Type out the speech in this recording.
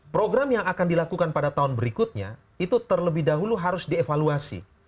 program yang akan dilakukan pada tahun berikutnya itu terlebih dahulu harus dievaluasi